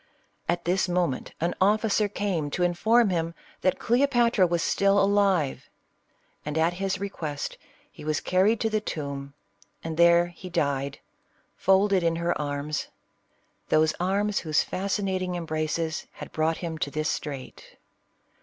At this moment, an officer came to inform him that Cleo patra was still alive ; and at his request he was carried to the tomb, and there he died folded in her arms — those arms whose fascinating embrace had brought him to this strait.